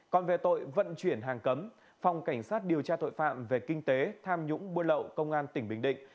còn về tội vận chuyển hàng cấm phòng cảnh sát điều tra tội phạm về kinh tế tham nhũng buôn lậu công an tỉnh bình định